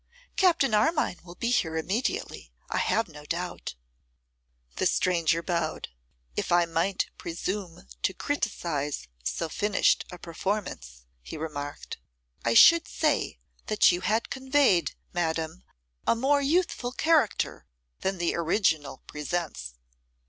'Captain Armine will be here immediately, I have no doubt.' The stranger bowed. 'If I might presume to criticise so finished a performance,' he remarked, 'I should say that you had conveyed, madam, a more youthful character than the original presents.